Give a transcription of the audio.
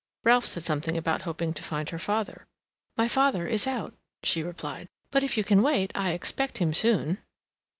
Ralph said something about hoping to find her father. "My father is out," she replied. "But if you can wait, I expect him soon."